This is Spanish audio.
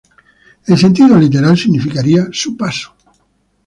En sentido literal significaría "su paso".